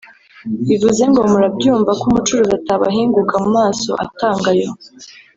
Bivuze ngo murabyumva ko umucuruzi atabahinguka mu maso atanga ayo